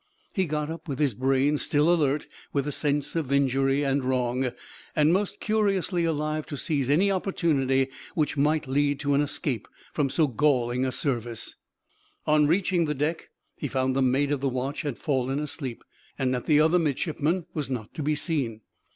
He got up with his brain still alert with the sense of injury and wrong, and most curiously alive to seize any opportunity which might lead to an escape from so galling a service. On reaching the deck, he found the mate of the watch had fallen asleep, and that the other midshipman was not to be seen.